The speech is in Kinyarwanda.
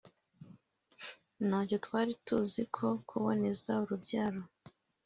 ntacyo twari tuzi ku kuboneza urubyaro